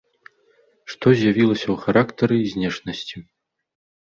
Што з'явілася ў характары і знешнасці?